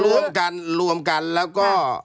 รวมกันรวมกันแล้วก็